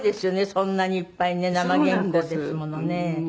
そんなにいっぱいね生原稿ですものね。